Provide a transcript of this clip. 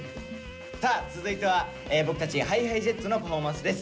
さあ続いては僕たちＨｉＨｉＪｅｔｓのパフォーマンスです。